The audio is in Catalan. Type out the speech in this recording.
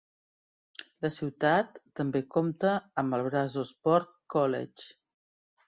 La ciutat també compta amb el Brazosport College.